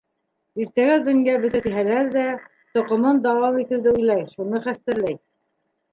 Иртәгә донъя бөтә тиһәләр ҙә, тоҡомон дауам итеүҙе уйлай, шуны хәстәрләй.